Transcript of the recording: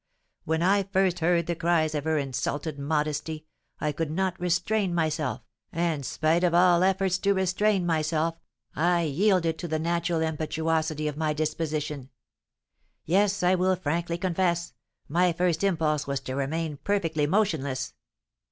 When I first heard the cries of her insulted modesty, I could not restrain myself, and, spite of all efforts to restrain myself, I yielded to the natural impetuosity of my disposition. Yes, I will frankly confess, my first impulse was to remain perfectly motionless."